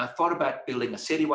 melihat kembali ke apa yang saya punya